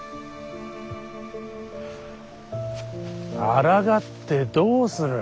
あらがってどうする。